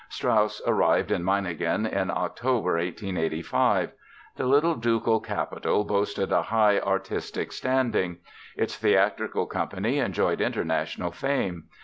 Strauss arrived in Meiningen in October, 1885. The little ducal capital boasted a high artistic standing. Its theatrical company enjoyed international fame.